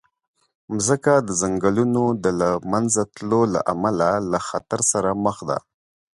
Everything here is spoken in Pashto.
مځکه د ځنګلونو د له منځه تلو له امله له خطر سره مخ ده.